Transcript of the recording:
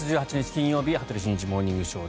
金曜日「羽鳥慎一モーニングショー」。